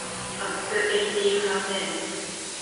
Up to eighty percent of all passenger flights are international.